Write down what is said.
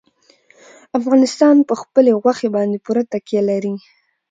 افغانستان په خپلو غوښې باندې پوره تکیه لري.